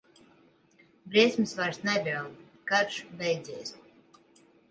Briesmas vairs nedraud, karš beidzies.